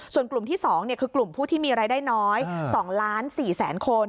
ส่วนกลุ่มที่๒คือกลุ่มผู้ที่มีรายได้น้อย๒๔๐๐๐คน